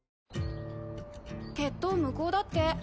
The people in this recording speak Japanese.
決闘無効だって。